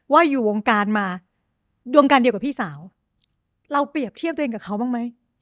อยู่วงการมาดวงการเดียวกับพี่สาวเราเปรียบเทียบตัวเองกับเขาบ้างไหม